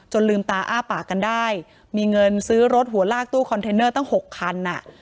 ลืมตาอ้าปากกันได้มีเงินซื้อรถหัวลากตู้คอนเทนเนอร์ตั้ง๖คันอ่ะ